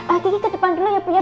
ah kiki ke depan dulu ya pu ya